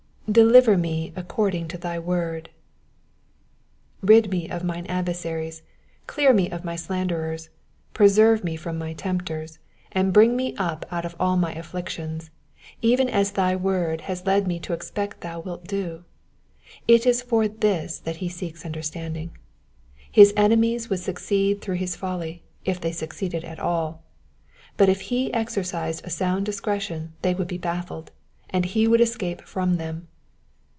^''Deliver me according to thy noord,'*'' Rid me of mine ad versaries, clear me of my slanderers, preserve me from my tempters, and bring me up out of all my afflictions, even as thy word has led me to expect thou wilt do. It is for this that he seeks understanding. His enemies would succeed through his folly, if they succeeded at all ; but if he exercised a sound discretion they would be baffled, and he would escape from them.